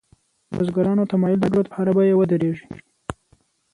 بزګرانو تمایل درلود په هره بیه ودرېږي.